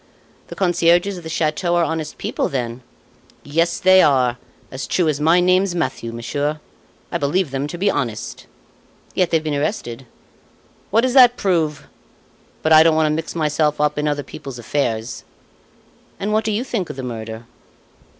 "The concierges of the chateau are honest people, then?" "Yes, they are, as true as my name's Mathieu, monsieur. I believe them to be honest." "Yet they've been arrested?" "What does that prove? But I don't want to mix myself up in other people's affairs." "And what do you think of the murder?"